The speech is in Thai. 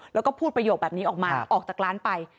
แล้วก็พูดประโยคแบบนี้ออกมาออกจากร้านไป